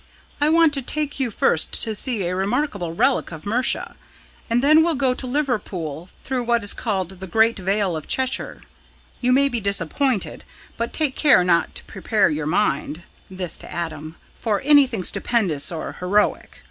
"I want to take you first to see a remarkable relic of Mercia, and then we'll go to Liverpool through what is called 'The Great Vale of Cheshire.' You may be disappointed, but take care not to prepare your mind" this to Adam "for anything stupendous or heroic.